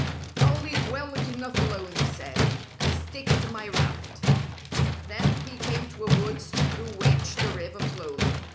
"I'll leave well enough alone," he said, "and stick to my raft." Then he came to a woods through which the river flowed.